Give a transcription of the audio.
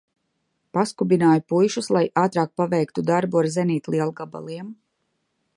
Paskubināju puišus, lai ātrāk paveiktu darbu ar zenītlielgabaliem.